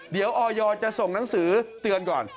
เดี๋ยวออยจะส่งหนังสือเตือนก่อน